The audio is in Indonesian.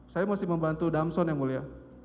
saya masih membantu damso ya mulia